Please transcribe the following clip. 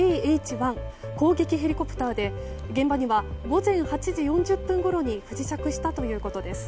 １攻撃ヘリコプターで現場には午前８時４０分ごろに不時着したということです。